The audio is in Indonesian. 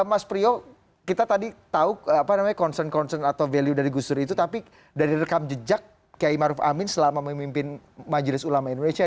mas priyo kita tadi tahu concern concern atau value dari gus dur itu tapi dari rekam jejak kiai maruf amin selama memimpin majelis ulama indonesia